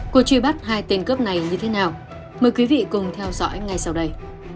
cuộc truy bắt hai tên cướp này như thế nào mời quý vị cùng theo dõi ngay sau đây